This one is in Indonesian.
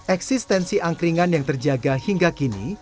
eksistensi angkringan yang terjaga hingga kini